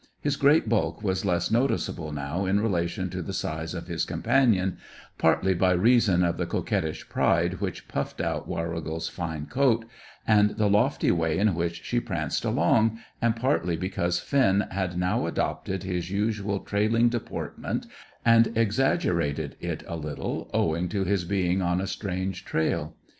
His great bulk was less noticeable now in relation to the size of his companion, partly by reason of the coquettish pride which puffed out Warrigal's fine coat and the lofty way in which she pranced along, and partly because Finn had now adopted his usual trailing deportment and exaggerated it a little, owing to his being on a strange trail.